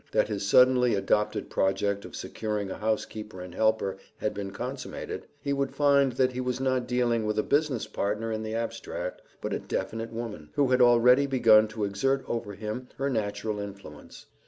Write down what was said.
Now, however, that his suddenly adopted project of securing a housekeeper and helper had been consummated, he would find that he was not dealing with a business partner in the abstract, but a definite woman, who had already begun to exert over him her natural influence.